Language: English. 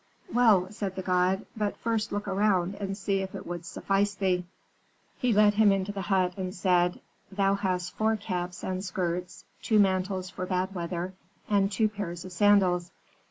"'Well,' said the god, 'but first look around and see if it would suffice thee.' "He led him into the hut, and said, "'Thou hast four caps and skirts, two mantles for bad weather, and two pairs of sandals.